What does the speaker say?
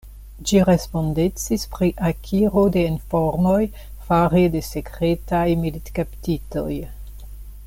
Ĝi respondecis pri akiro de informoj fare de sekretaj militkaptitoj.